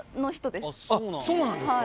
そうなんですか！